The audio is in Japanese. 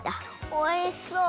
おいしそう！